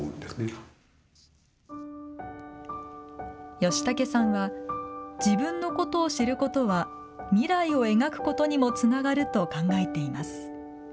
ヨシタケさんは自分のことを知ることは未来を描くことにもつながると考えています。